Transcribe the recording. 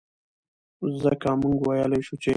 ځکه مونږ وئيلے شو چې